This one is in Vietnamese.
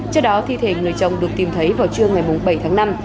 trước đó thi thể người chồng được tìm thấy vào trưa ngày bảy tháng năm